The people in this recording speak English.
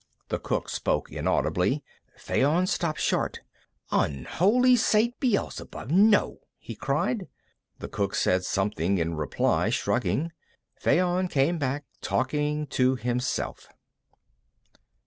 The cook spoke inaudibly. Fayon stopped short. "Unholy Saint Beelzebub, no!" he cried. The cook said something in reply, shrugging. Fayon came back, talking to himself.